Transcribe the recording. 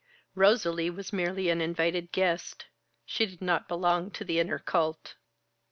Rosalie was merely an invited guest. She did not belong to the inner cult.